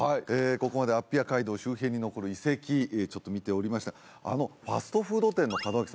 ここまでアッピア街道周辺に残る遺跡ちょっと見ておりましたあのファストフード店の門脇さん